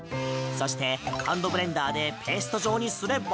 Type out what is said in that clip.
そして、ハンドブレンダーでペースト状にすれば。